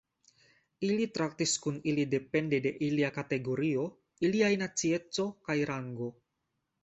Ili traktis kun ili depende de ilia kategorio, iliaj nacieco kaj rango.